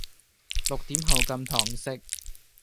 六點後禁堂食